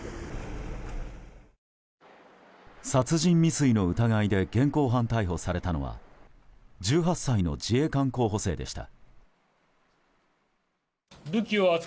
殺人未遂の疑いで現行犯逮捕されたのは１８歳の自衛官候補生でした。